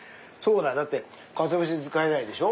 だってかつお節使えないでしょ